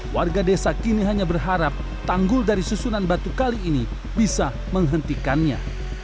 warga desa kini hanya berharap tanggul dari susunan batu kali ini bisa menghentikannya